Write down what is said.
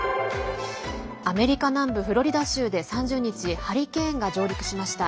アメリカ南部フロリダ州で３０日ハリケーンが上陸しました。